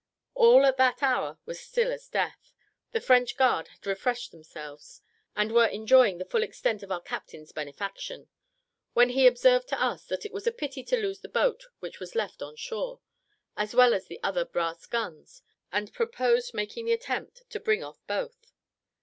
All at that hour was as still as death; the French guard had refreshed themselves, and were enjoying the full extent of our captain's benefaction, when he observed to us that it was a pity to lose the boat which was left on shore, as well as the other brass guns, and proposed making the attempt to bring off both.